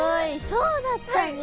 そうだったんですね。